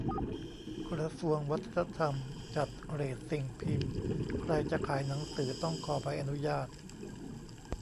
กระทรวงวัฒนธรรม 'จัดเรต' สิ่งพิมพ์ ใครจะขายหนังสือต้องขอใบอนุญาต